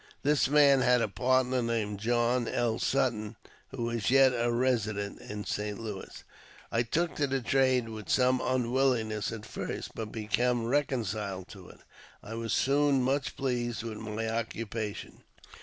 (This man had a partner named John L. Sutton, who is yet a resident in St. Louis). I took to the trade with some unwillingness at first, but becoming reconciled to it, I was soon much pleased with my occupation.